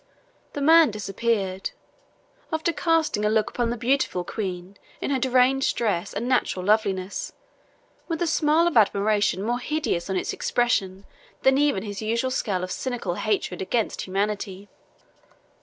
The man disappeared, after casting a look upon the beautiful Queen, in her deranged dress and natural loveliness, with a smile of admiration more hideous in its expression than even his usual scowl of cynical hatred against humanity.